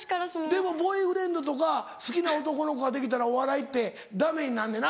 でもボーイフレンドとか好きな男の子ができたらお笑いってダメになんねな。